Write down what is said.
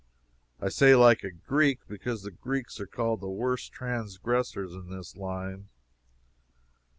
I say like a Greek, because the Greeks are called the worst transgressors in this line.